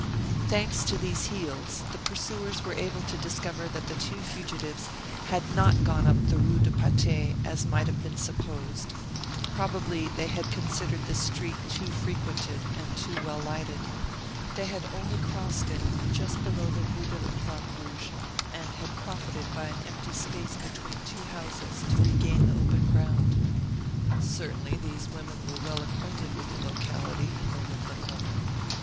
Thanks to these heels, the pursuers were able to discover that the two fugitives had not gone up the Rue de Patay, as might have been supposed. Probably they had considered this street too frequented, and too well lighted. They had only crossed it, just below the Rue de la Croix Rouge, and had profited by an empty space between two houses to regain the open ground. "Certainly these women were well acquainted with the locality," murmured Lecoq.